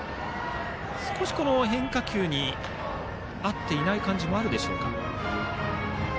少し変化球に合っていない感じもあるでしょうか。